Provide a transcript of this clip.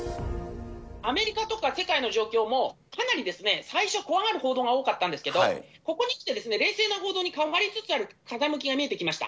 アメリカとか世界の状況もかなり最初怖がる報道が多かったんですけど、ここに来て冷静な報道に変わりつつある、風向きが見えてきました。